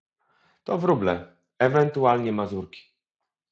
To wróble, ewentualnie mazurki.